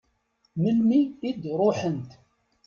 Melmi i d-ruḥent?